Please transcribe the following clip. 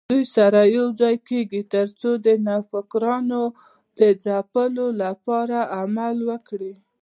دوی سره یوځای کېږي ترڅو د نوفکرانو د ځپلو لپاره عمل وکړي